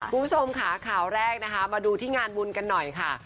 คุณผู้ชมค่ะข่าวแรกนะคะมาดูที่งานบุญกันหน่อยค่ะ